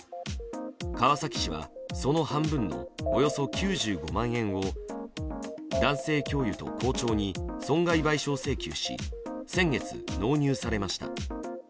川崎市は、その半分のおよそ９５万円を男性教諭と校長に損害賠償請求し先月、納入されました。